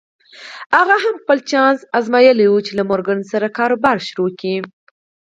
هغه هم خپل چانس ازمايلی و چې له مورګان سره کاروبار پيل کړي.